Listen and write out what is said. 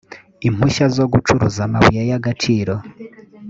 impushya zo gucuruza amabuye y agaciro